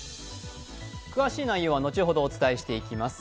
詳しい内容は後ほどお伝えしてまいります。